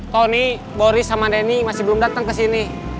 tony boris sama denny masih belum datang kesini